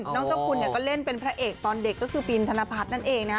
เจ้าคุณเนี่ยก็เล่นเป็นพระเอกตอนเด็กก็คือบินธนพัฒน์นั่นเองนะ